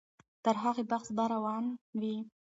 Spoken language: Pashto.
تر هغې بحث به روان وي.